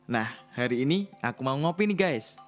nah hari ini aku mau ngopi nih guys